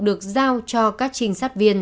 được giao cho các trinh sát viên